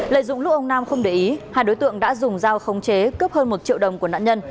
lợi dụng lúc ông nam không để ý hai đối tượng đã dùng dao khống chế cướp hơn một triệu đồng của nạn nhân